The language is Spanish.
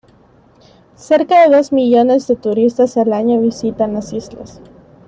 Cerca de dos millones de turistas al año visitan las islas.